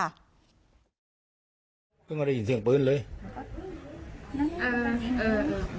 แล้วก็ตายเลยนะ